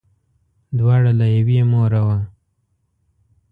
دواړه له یوې موره وه.